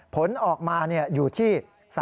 ผลออกมาอยู่ที่